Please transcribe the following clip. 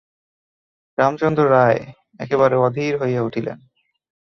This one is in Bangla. রামচন্দ্র রায় একেবারে অধীর হইয়া উঠিলেন।